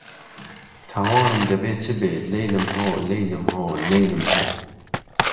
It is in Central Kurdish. تاوانم دهبێ چ بێ، لهیلم هۆ لهیلم هۆ لهیلم هۆ